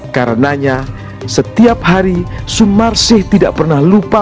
karenanya setiap hari sumarsih tidak pernah lupa